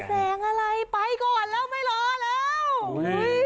แสงอะไรไปก่อนแล้วไม่รอแล้วเฮ้ย